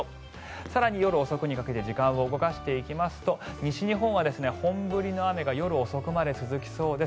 更に夜遅くにかけて時間を動かしていきますと西日本は本降りの雨が夜遅くまで続きそうです。